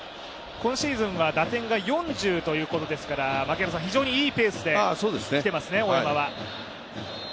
今シーズンは打点が４０ということですから、非常にいいペースできていますね。